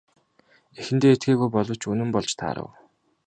Эхэндээ итгээгүй боловч үнэн болж таарав.